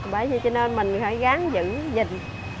vậy nên mình phải gán dữ dịch